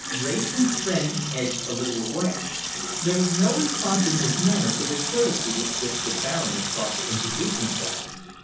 Wrayson's friend edged a little away. There was no response in his manner to the courtesy with which the Baron had sought to introduce himself.